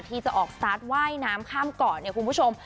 ที่จะออกสตาร์ทว่ายน้ำข้ามเกาะเนี่ยคุณผู้ชม